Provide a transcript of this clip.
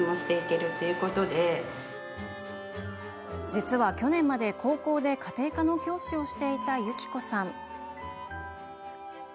実は去年まで高校で家庭科の教師をしていた有希子さん。